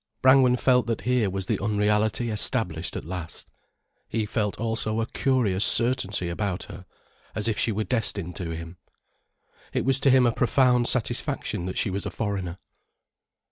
Brangwen felt that here was the unreality established at last. He felt also a curious certainty about her, as if she were destined to him. It was to him a profound satisfaction that she was a foreigner.